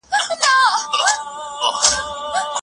صنعتي کاروبار څنګه د مالي منابعو مدیریت کوي؟